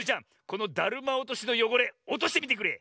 このだるまおとしのよごれおとしてみてくれ。